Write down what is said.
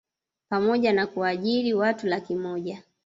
pamoja na kuwaajiri watu laki moja